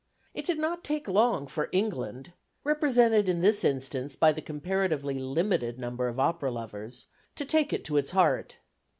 It did not take long for England represented, in this instance, by the comparatively limited number of opera lovers to take it to its heart.